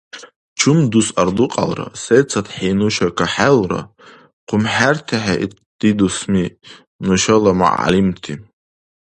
Чум дус ардукьялра, сецадхӀи нуша калахӀелра, хъумхӀертехӀе итди дусми, нушала мугӀяллимти.